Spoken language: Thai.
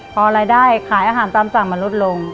พอรายได้ขายอาหารตามสั่งมันลดลง